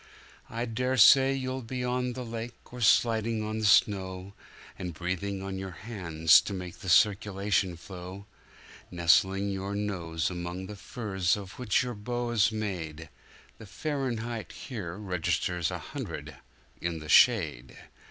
I daresay you'll be on the lake, or sliding on the snow, And breathing on your hands to make the circulation flow, Nestling your nose among the furs of which your boa's made,—The Fahrenheit here registers a hundred in the shade.